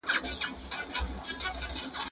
زه هره ورځ سبا ته پلان جوړوم؟!